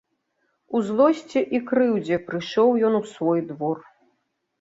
У злосці і крыўдзе прыйшоў ён у свой двор.